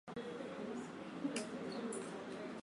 Ahsante hallelujah